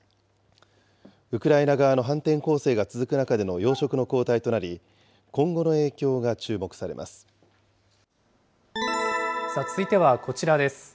ウクライナ側の反転攻勢が続く中での要職の交代となり、今後の影続いては、こちらです。